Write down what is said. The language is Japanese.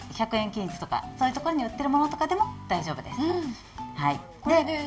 １００円均一とか、そういうところで売っているもので大丈夫です。